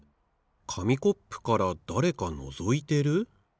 かみコップからだれかのぞいてる？